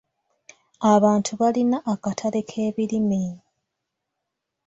Abantu balina akatale k'ebirime.